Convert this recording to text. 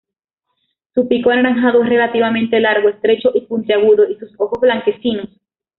Su pico anaranjado es relativamente largo, estrecho y puntiagudo; y sus ojos blanquecinos.